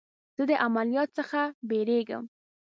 زه د عملیات څخه بیریږم.